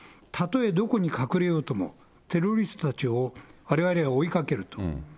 たとえどこに隠れようとも、テロリストたちをわれわれは追いかける。